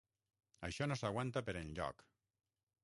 Això no s'aguanta per enlloc.